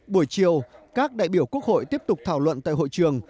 buổi chiều các đại biểu quốc hội tiếp tục thảo luận tại hội trường